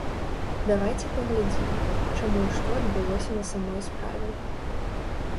Давайце паглядзім, чаму і што адбылося на самой справе.